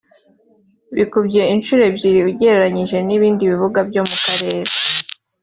bikubye inshuro ebyeri ugereranyije n’ibindi bibuga byo mu karere